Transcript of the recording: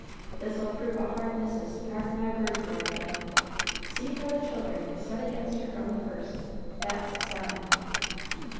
This'll prove a hard missis, mark my word for it, Ann! See how the children is set against her from the first! That's a sign."